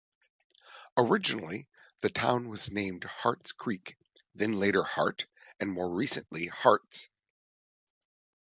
Originally, the town was named "Heart's Creek," then later "Hart" and more recently "Harts.